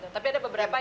tapi ada beberapa yang